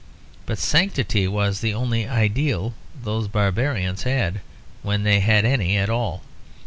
But sanctity was the only ideal those barbarians had, when they had any at all.